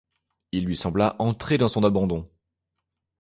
Il lui sembla entrer dans son abandon.